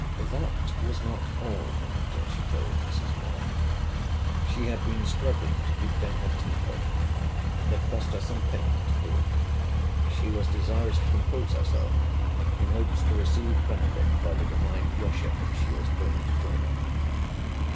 That was not all the matter, she told Mrs. Moore. She had been struggling to keep down her temper. It had cost her some pains to do it. She was desirous to compose herself, in hopes to receive benefit by the divine worship she was going to join in.